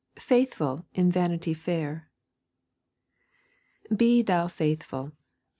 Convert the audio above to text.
FAITHFUL IN VANITY FAIR 'Be thou faithful.'